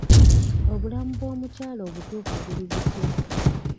Obulamu bw'omukyalo obutuufu buli butya?